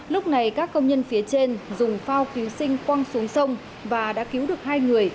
lúc này các công nhân phía trên dùng phao cứu sinh quăng xuống sông và đã cứu được hai người